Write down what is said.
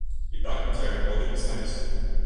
І так мы цягам года пісаліся.